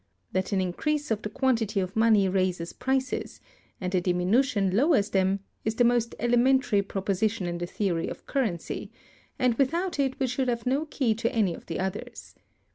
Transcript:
That an increase of the quantity of money raises prices, and a diminution lowers them, is the most elementary proposition in the theory of currency, and without it we should have no key to any of the others.